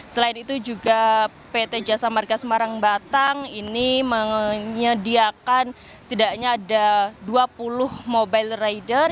selain itu juga pt jasa marga semarang batang ini menyediakan setidaknya ada dua puluh mobile rider